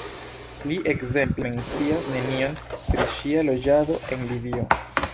Li, ekzemple, mencias nenion pri ŝia loĝado en Libio.